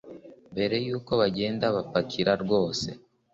Mbere yuko bagenda bapakira rwose